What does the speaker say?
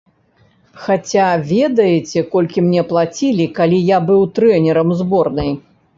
Хаця ведаеце, колькі мне плацілі, калі я быў трэнерам зборнай?